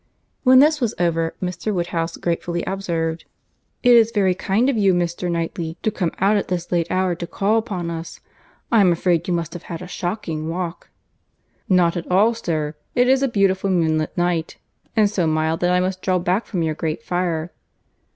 When this was over, Mr. Woodhouse gratefully observed, "It is very kind of you, Mr. Knightley, to come out at this late hour to call upon us. I am afraid you must have had a shocking walk." "Not at all, sir. It is a beautiful moonlight night; and so mild that I must draw back from your great fire."